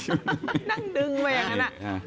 นั่งดึงไปอย่างนั้น